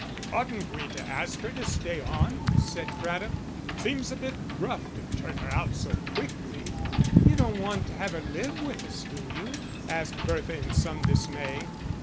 "Oughtn't we to ask her to stay on?" said Craddock. "It seems a bit rough to turn her out so quickly." "You don't want to have her live with us, do you?" asked Bertha, in some dismay.